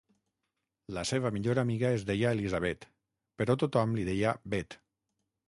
La seva millor amiga es deia Elisabet, però tothom li deia Bet.